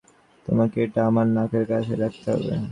তোমাকে এটা আমার নাকের কাছাকাছি রাখতে হবে।